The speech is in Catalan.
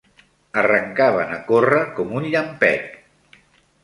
Arrencaven a córrer com un llampec.